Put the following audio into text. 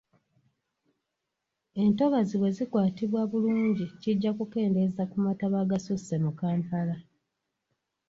Entobazi bwe zikwatibwa bulungi kijja kukendeeza ku mataba agasusse mu Kampala.